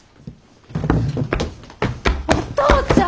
お父ちゃん！